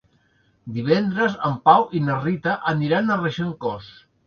Divendres en Pau i na Rita aniran a Regencós.